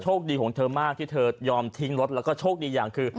ดีของเธอมากที่เธอยอมทิ้งรถแล้วก็โชคดีอย่างคือ